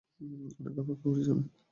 অনেক অপেক্ষা করেছি আমরা।